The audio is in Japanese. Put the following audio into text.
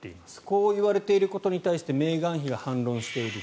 こう言われていることに対してメーガン妃が反論している。